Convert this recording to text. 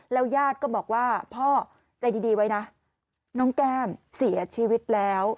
ยาดก็บอกว่าพ่อใจดีไว้นะน้องแก้มเสียชีวิตแล้ว